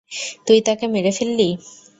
তুই তাকে মেরে ফেললি!